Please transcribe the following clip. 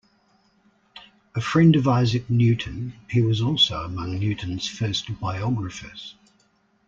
A friend of Isaac Newton, he was also among Newton's first biographers.